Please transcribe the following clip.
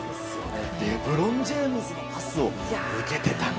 レブロン・ジェームズのパスを受けてた。